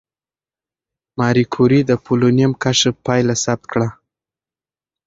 ماري کوري د پولونیم کشف پایله ثبت کړه.